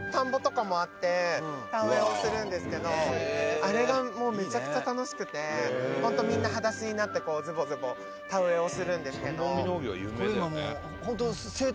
「田植えをするんですけどあれがもうめちゃくちゃ楽しくて」「ホントみんな裸足になってズボズボ田植えをするんですけど」